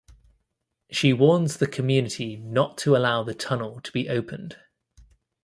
She warns the community not to allow the tunnel to be opened.